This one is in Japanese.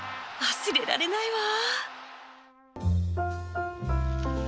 忘れられないわ